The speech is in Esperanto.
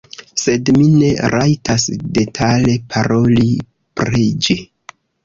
Sed mi ne rajtas detale paroli pri ĝi.